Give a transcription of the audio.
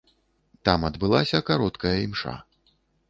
Там адбылася кароткая імша.